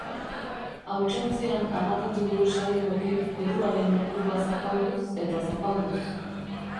Hautsontzian amatatu du sadikoki, puruaren muturra zapalduz eta zapalduz.